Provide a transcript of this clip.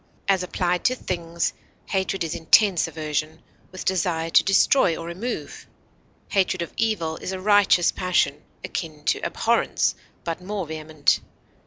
As applied to things, hatred is intense aversion, with desire to destroy or remove; hatred of evil is a righteous passion, akin to abhorrence, but more vehement.